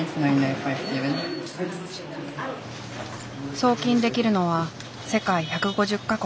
送金できるのは世界１５０か国。